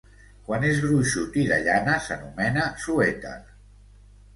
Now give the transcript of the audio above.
Quan és gruixut i de llana s'anomena suèter.